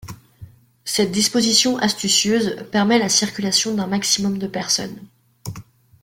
Cette disposition astucieuse permet la circulation d'un maximum de personnes.